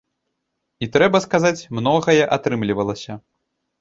І трэба сказаць, многае атрымлівалася.